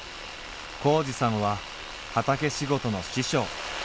紘二さんは畑仕事の師匠。